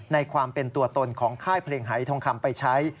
ในความเป็นตัวตนของค่ายเพลงหายทองคำไปใช้